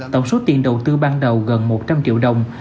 tổng số tiền đầu tư ban đầu gần một trăm linh triệu đồng